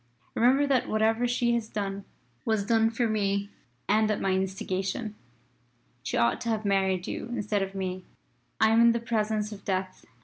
Remember that whatever she has done was done for me and at my instigation. She ought to have married you instead of me. "I am in the presence of Death.